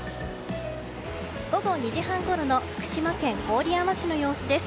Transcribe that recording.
午後２時半ごろの福島県郡山市の様子です。